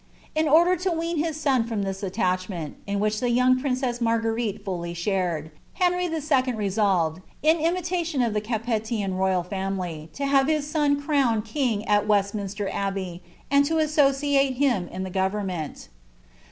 In order to UFBO hie son from this attachmenU in which ibe young princess Mor pinite fully shared, Henry 11. resolved, in iinilaiioii of ihe Capetian roiil family, to have hia sou crowned king at Westminster Abbey, and lu usocmie him in die Bovernment.